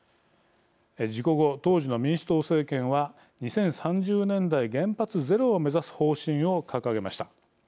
事故後、当時の民主党政権は２０３０年代、原発ゼロを目指す方針を掲げました。